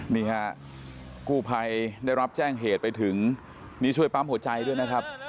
นี่ฮะกู้ภัยได้รับแจ้งเหตุไปถึงนี่ช่วยปั๊มหัวใจด้วยนะครับ